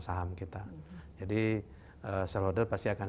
saham kita jadi shareholder pasti akan